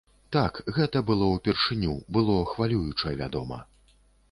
Так, гэта было ўпершыню, было хвалююча, вядома.